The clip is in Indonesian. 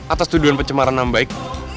atas tuduhan pencemaran nama baik